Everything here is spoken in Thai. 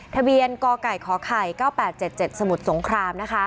ทะเบียนกไก่ขไข่๙๘๗๗สมุทรสงคราม